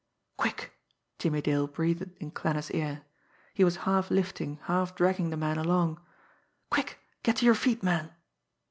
"Quick!" Jimmie Dale breathed in Klanner's ear. He was half lifting, half dragging the man along. "Quick get your feet, man!"